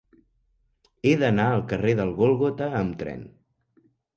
He d'anar al carrer del Gòlgota amb tren.